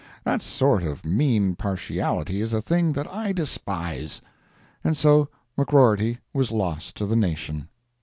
That sort of mean partiality is a thing that I despise. And so McGrorty was lost to the nation.